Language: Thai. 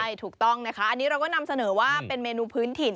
ใช่ถูกต้องนะคะอันนี้เราก็นำเสนอว่าเป็นเมนูพื้นถิ่น